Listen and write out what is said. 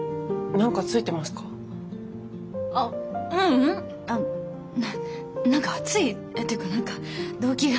な何か暑い？っていうか何か動悸が。